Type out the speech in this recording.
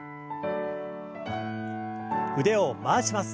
腕を回します。